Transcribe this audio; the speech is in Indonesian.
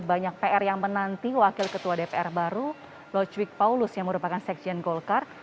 banyak pr yang menanti wakil ketua dpr baru locwig paulus yang merupakan sekjen golkar